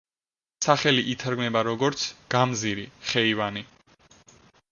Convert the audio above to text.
სახელი ითარგმნება როგორც „გამზირი“, „ხეივანი“.